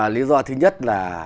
lý do thứ nhất là